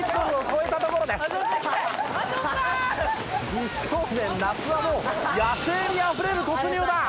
美少年那須はもう野性味あふれる突入だ！